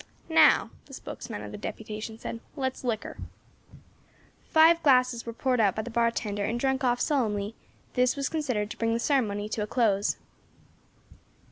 "Now," the spokesman of the deputation said, "let's liquor." Five glasses were poured out by the bar tender, and drunk off solemnly; this was considered to bring the ceremony to a close.